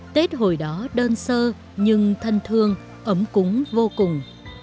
tết hồi đó đơn sơ nhưng thân thương ấm cúng vô cùng